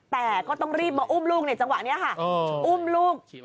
แต่ก็ต้องรีบมาอุ้มลูกในจังหวะนี้ค่ะอุ้มลูก